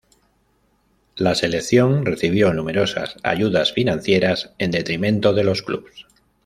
La selección recibió numerosas ayudas financieras en detrimento de los clubs.